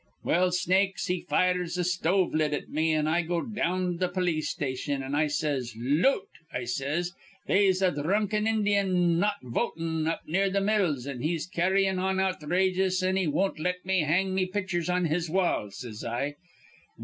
"Well, Snakes he fires a stove lid at me; an' I go down to th' polis station, an' says I, 'Loot,' I says, 'they'se a dhrunken Indyun not votin' up near th' mills, an he's carryin' on outrageous, an' he won't let me hang me pitchers on his wall,' says I.